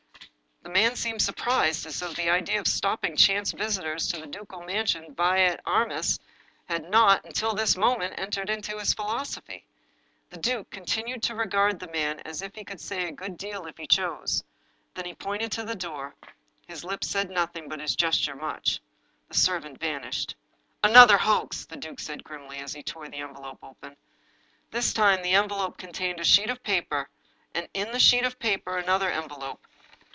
The man seemed surprised, as though the idea of stop ping chance visitors to the ducal mansion vi et armis had not, until that moment, entered into his philosophy. The duke continued to regard the man as if he could say a good deal, if he chose. Then he pointed to the door. His lips said nothing, but his gesture much. The servant van ished. " Another hoax !" the duke said grimly, as he tore the envelope open. This time the envelope contained a sheet of paper, and in the sheet of paper another envelope.